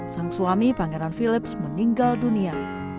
sang suami pangeran philips meninggal dunia